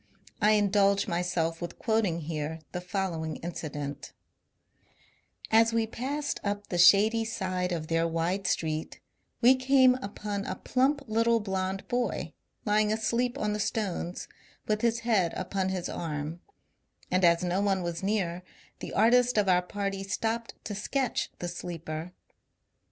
I indulge myself with quoting here the following incident :— As we passed up the shady side of their wide street, we came upon a plump little blond boy, lying asleep on the stones, with his head upon his arm ; and as no one was near, the artist of our party stopped to sketch the sleeper.